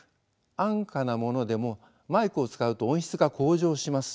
安価なものでもマイクを使うと音質が向上します。